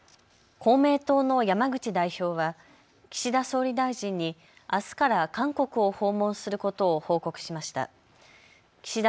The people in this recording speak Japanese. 公明党の山口代表は岸田総理大臣に、あすから韓国を訪問することを報告しました。